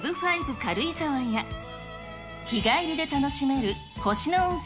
軽井沢や、日帰りで楽しめる星野温泉